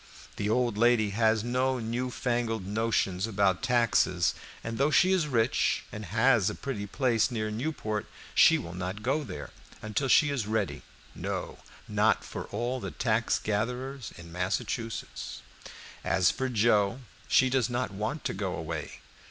The old lady has no new fangled notions about taxes, and though she is rich and has a pretty place near Newport, she will not go there until she is ready, no, not for all the tax gatherers in Massachusetts. As for Joe, she does not want to go away.